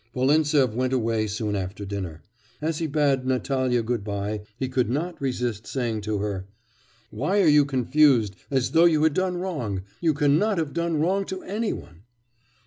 Volintsev went away soon after dinner. As he bade Natalya good bye he could not resist saying to her: 'Why are you confused, as though you had done wrong? You cannot have done wrong to any one!